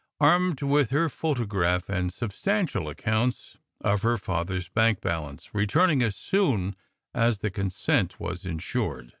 armed with her photo graph and substantial accounts of her father s bank balance, returning as soon as the consent was in sured.